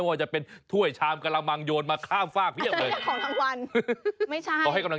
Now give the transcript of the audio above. ก็เล่นจริงผมหัดจากเฮ็ววีเมทัลมาก่อน